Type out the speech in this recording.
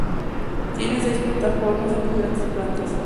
Tiene seis plataformas en diferentes plantas.